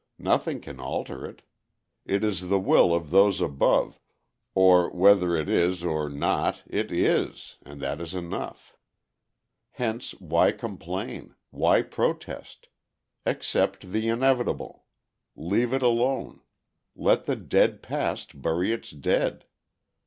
Nothing can alter it. It is the will of Those Above, or whether it is or not it IS, and that is enough. Hence why complain, why protest. Accept the inevitable. Leave it alone. Let the dead past bury its dead.